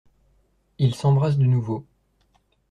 Ils s’embrassent de nouveau.